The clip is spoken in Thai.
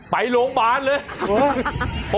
ไปโรงพยาบาลเลย